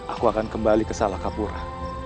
aku akan kembali ke salakapura